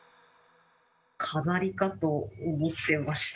飾りかと思ってました。